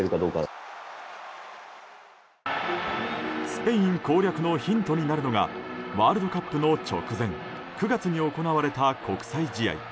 スペイン攻略のヒントになるのがワールドカップの直前９月に行われた国際試合